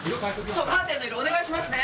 そカーテンの色お願いしますね。